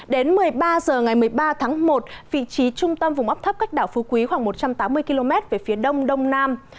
đến một mươi ba h ngày một mươi ba tháng một vị trí trung tâm vùng áp thấp cách đảo phú quý khoảng một trăm tám mươi km về phía đông đông nam